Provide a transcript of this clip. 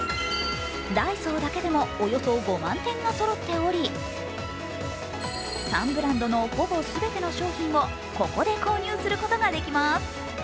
ダイソーだけでも、およそ５万点がそろっており、３ブランドのほぼ全ての商品をここで購入することができます。